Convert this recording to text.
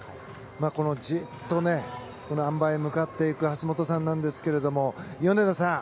じっとあん馬へ向かっていく橋本さんなんですが米田さん